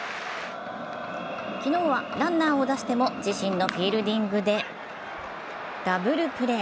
昨日は、ランナーを出しても自身のフィールディングでダブルプレー。